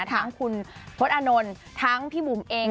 ทั้งคุณพศอานนท์ทั้งพี่บุ๋มเอง